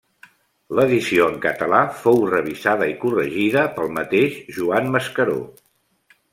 L'edició en català fou revisada i corregida pel mateix Joan Mascaró.